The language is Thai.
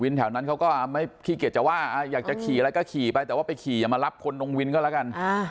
แถวนั้นเขาก็ไม่ขี้เกียจจะว่าอยากจะขี่อะไรก็ขี่ไปแต่ว่าไปขี่อย่ามารับคนตรงวินก็แล้วกัน